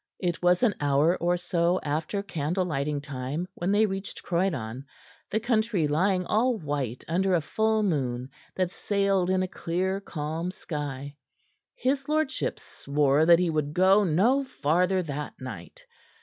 It was an hour or so after candle lighting time when they reached Croydon, the country lying all white under a full moon that sailed in a clear, calm sky. His lordship swore that he would go no farther that night.